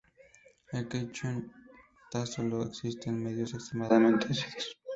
El catión Ta solo existe en medios extremadamente ácidos.